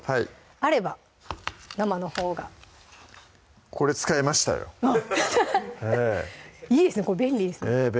あれば生のほうがこれ使いましたよいいですね便利ですねええ